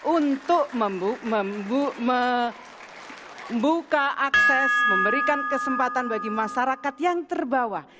untuk membuka akses memberikan kesempatan bagi masyarakat yang terbawah